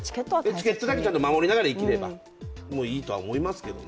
エチケットだけ守りながら生きればいいとは思いますけどね。